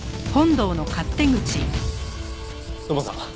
土門さん